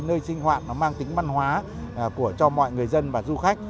nó mang tính văn hóa cho mọi người dân và du khách